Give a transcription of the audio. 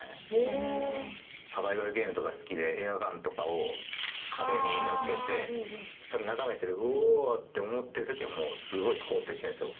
サバイバルゲームとか好きでエアガンとかを壁にのっけてそれを眺めてておおー！って思ってる時はすごい肯定してるんですよ。